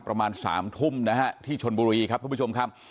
ประมาณ๓ทุ่มนะฮะที่ชนบุรีครับทุกผู้ชมครับ